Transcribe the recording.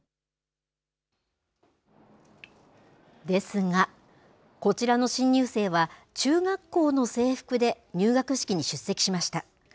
ですが、こちらの新入生は、中学校の制服で入学式に出席しました。